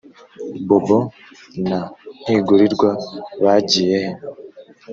Bobo na Ntigurirwa bagiye he